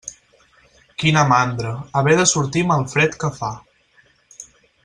Quina mandra, haver de sortir amb el fred que fa.